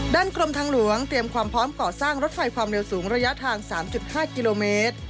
กรมทางหลวงเตรียมความพร้อมก่อสร้างรถไฟความเร็วสูงระยะทาง๓๕กิโลเมตร